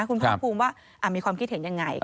คุณขอบคุมว่ามีความคิดเห็นอย่างไร